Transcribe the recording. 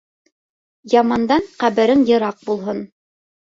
Ямандан ҡәберең йыраҡ булһын.